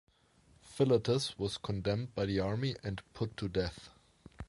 Philotas was condemned by the army and put to death.